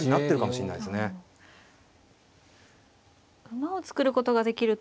馬を作ることができると。